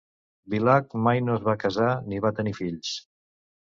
Bilac mai no es va casar ni va tenir fills.